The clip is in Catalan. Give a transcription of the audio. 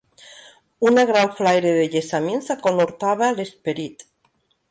Una gran flaire de llessamins aconhortava l'esperit